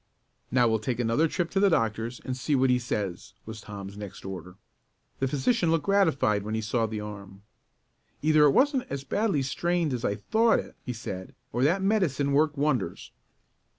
"Now we'll take another trip to the doctor's and see what he says," was Tom's next order. The physician looked gratified when he saw the arm. "Either it wasn't as badly strained as I thought it," he said, "or that medicine worked wonders."